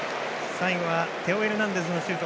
最後はテオ・エルナンデスのシュート。